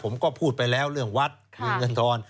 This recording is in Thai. ผมก็พูดไปแล้วเรื่องวัดมีเงินทอน